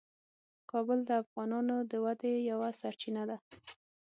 کابل د افغانانو د ودې یوه سرچینه ده.